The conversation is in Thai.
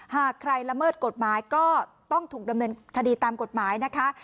หากใครละเมิดกฎหมายก็ต้องถูกดำเนินคดีตามกฎหมายนะคะ